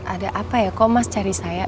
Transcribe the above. ada apa ya kok mas cari saya